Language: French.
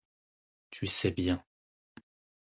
Tu sais bien.